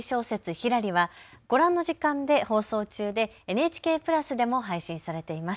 ひらりはご覧の時間で放送中でＮＨＫプラスでも配信されています。